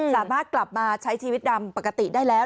สามารถกลับมาใช้ชีวิตตามปกติได้แล้ว